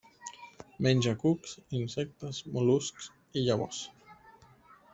Menja cucs, insectes, mol·luscs i llavors.